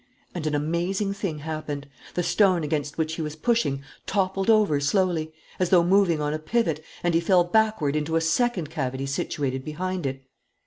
And an amazing thing happened: the stone against which he was pushing toppled over slowly, as though moving on a pivot, and he fell backward into a second cavity situated behind it.